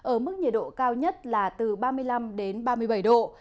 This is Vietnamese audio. ở mức nhiệt độ cao nhất là từ ba mươi năm đến ba mươi bảy độ